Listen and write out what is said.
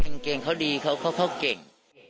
เออเก่งเขาดีเขาเก่ง